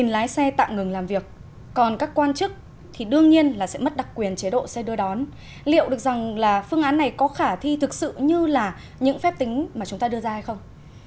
liệu được rằng là phương án này có khả thi thực sự như là những phép tính mà chúng ta đưa ra hay không